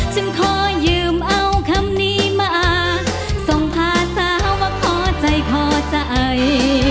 จึงขอยืมเอาคำนี้มาส่งภาษาว่าขอใจขอใจ